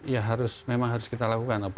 ya memang harus kita lakukan